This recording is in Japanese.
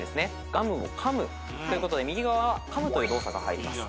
「ガムをかむ」ってことで右側は「かむ」という動作が入ります。